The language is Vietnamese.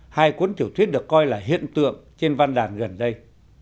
hai cuốn tiểu thuyết được coi là hiện tượng trên văn đàn gần đây